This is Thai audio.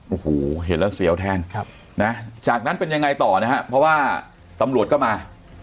โอ้โหเห็นแล้วเสียวแทนจากนั้นเป็นยังไงต่อนะฮะเพราะว่าตำรวจก็มา